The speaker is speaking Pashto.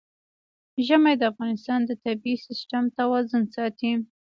ژمی د افغانستان د طبعي سیسټم توازن ساتي.